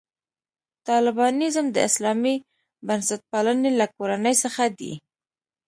طالبانیزم د اسلامي بنسټپالنې له کورنۍ څخه دی.